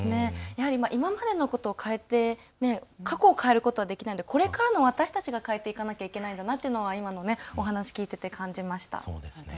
今までのことを変えて過去を変えることはできないのでこれからの私たちが変えていかないといけないのは今のお話を聞いてて感じました。